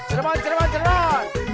semarang semarang semarang